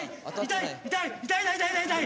痛い痛い痛い痛い！